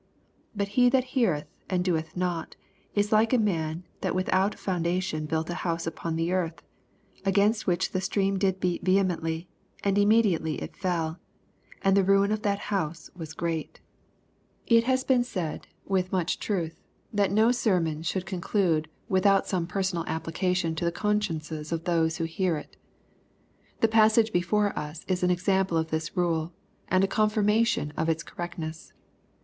49 But he that heareth, and doeth not, is like a man that without a foundation built an house upon the earth ; against which the stream did beat vehemently, and immediately it fell ; and the ruin of that house waa great. LUKE, CHAP. VI. 195 It has been said, with much truth, that no sermon should conclude without some personal application to the consciences of those who hear it. The passage before us is an example of this rule, and a confirmation of its correctness.